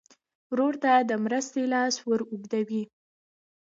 ورور ته د مرستې لاس ور اوږدوې.